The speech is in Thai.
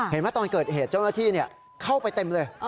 ตอนเกิดเหตุเจ้าหน้าที่เข้าไปเต็มเลย